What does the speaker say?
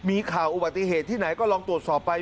มีข่าวอุบัติเหตุที่ไหนก็ลองตรวจสอบไป